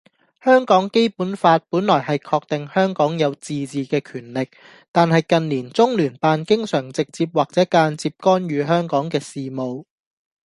香港基本法本來係確定香港有自治嘅權力，但係近年中聯辦經常直接或者間接干預香港嘅事務。